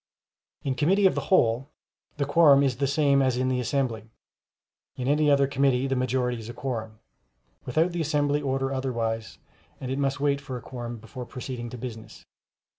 In committee of the whole, the quorum is the same as in the assembly; in any other committee the majority is a quorum, without the assembly order otherwise, and it must wait for a quorum before proceeding to business.